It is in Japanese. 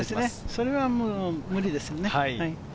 それは無理ですね。